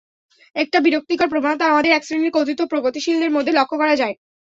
একটি বিরক্তিকর প্রবণতা আমাদের একশ্রেণির কথিত প্রগতিশীলদের মধ্যে লক্ষ করা যায়।